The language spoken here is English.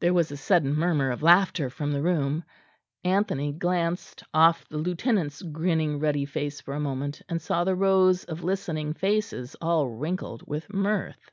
There was a sudden murmur of laughter from the room; Anthony glanced off the lieutenant's grinning ruddy face for a moment, and saw the rows of listening faces all wrinkled with mirth.